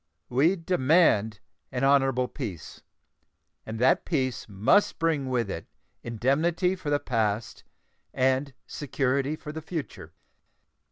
We demand an honorable peace, and that peace must bring with it indemnity for the past and security for the future.